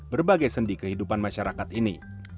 berbagai sendi kehidupan masyarakat ini